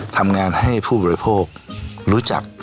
ทำงานให้ผู้บริโภครู้จัก